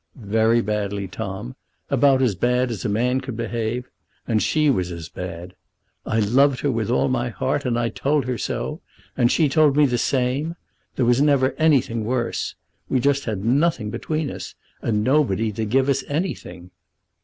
"Very badly, Tom; about as bad as a man could behave, and she was as bad. I loved her with all my heart, and I told her so. And she told me the same. There never was anything worse. We had just nothing between us, and nobody to give us anything."